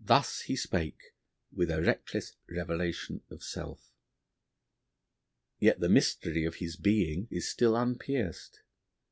Thus he spake with a reckless revelation of self. Yet the mystery of his being is still unpierced.